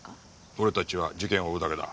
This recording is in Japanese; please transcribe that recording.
俺たちは事件を追うだけだ。